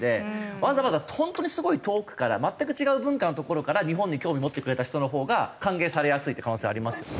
わざわざ本当にすごい遠くから全く違う文化の所から日本に興味持ってくれた人のほうが歓迎されやすいっていう可能性はありますよ。